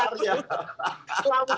kita bareng bareng aja nih